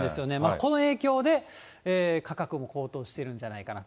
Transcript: この影響で価格も高騰しているんじゃないかと。